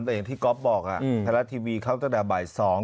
แต่อย่างที่ก๊อบบอกฮะอืมไทรละทีวีเข้าตั้งแต่บ่ายสอง